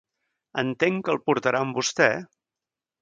Entenc que el portarà amb vostè?